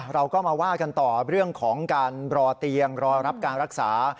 เราก็มาว่ากันต่อเรื่องของการรอเตียงรอรับการรักษา